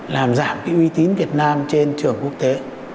làm giảm cái uy tín việt nam trên trường quốc tế